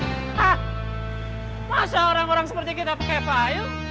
hah masa orang orang seperti kita pakai payung